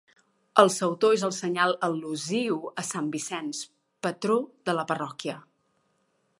El sautor és el senyal al·lusiu a sant Vicenç, patró de la parròquia.